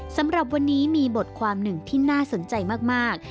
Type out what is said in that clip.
สำหรับวันนี้มีบทความหนึ่งที่น่าสนใจมาก